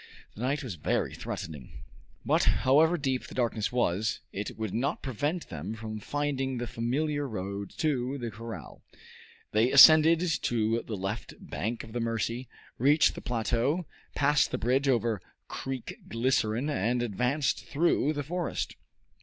The night was very threatening. But however deep the darkness was, it would not prevent them from finding the familiar road to the corral. They ascended the left bank of the Mercy, reached the plateau, passed the bridge over Creek Glycerine, and advanced through the forest.